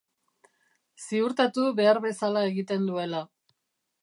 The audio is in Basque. Ziurtatu behar bezala egiten duela.